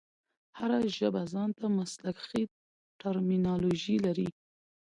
هره ژبه ځان ته مسلکښي ټرمینالوژي لري.